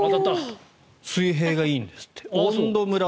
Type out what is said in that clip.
水平がいいんですって。